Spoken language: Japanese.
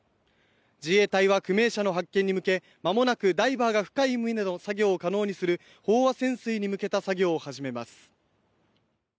自衛隊は不明者の発見に向けまもなくダイバーが深い海での作業を可能にする飽和潜水に向けた作業を始めます。